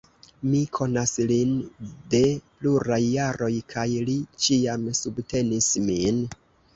Mi konas lin de pluraj jaroj, kaj li ĉiam subtenis min.